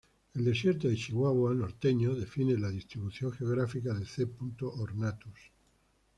El Desierto de Chihuahua norteño define la distribución geográfica de "C. ornatus".